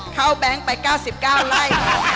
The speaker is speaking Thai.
แบงค์ไป๙๙ไร่